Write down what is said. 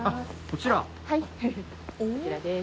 こちらです。